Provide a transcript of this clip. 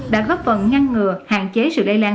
đã góp phần ngăn ngừa hạn chế sự lây lan